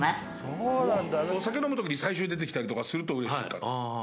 酒飲むときに最初に出てきたりするとうれしいかな。